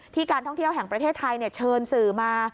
การท่องเที่ยวแห่งประเทศไทยเชิญสื่อมา